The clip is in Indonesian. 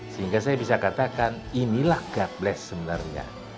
sehingga saya bisa katakan inilah god bless sebenarnya